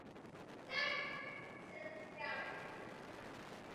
V druhém bodě budu velmi stručný.